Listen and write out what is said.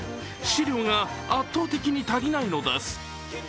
資料が圧倒的に足りないのです。